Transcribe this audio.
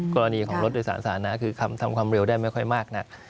กรณีของรถโดยสารสาธารณะคือทำความเร็วได้ไม่ค่อยมากนัก